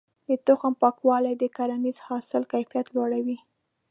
د تخم پاکوالی د کرنیز حاصل کيفيت لوړوي.